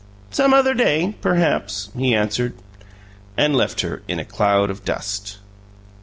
"Some other day perhaps," he answered. And left her in a cloud of dust.